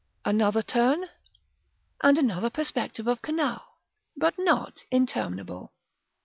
Another turn, and another perspective of canal; but not interminable.